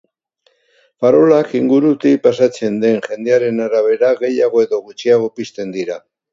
Farolak ingurutik pasatzen den jendearen arabera gehiago edo gutxiago pizten dira.